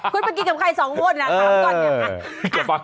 คุณไปกินกันกับใคร๒คนนะเมื่อก่อนเนย